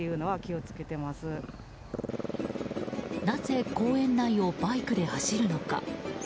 なぜ公園内をバイクで走るのか。